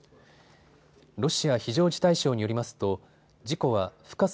ロシア非常事態省によりますと事故は深さ